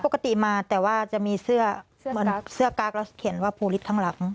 ปกติมาแต่ว่าจะมีเสื้อเสื้อกากแล้วเขียนว่าผูลิสข้างหลัง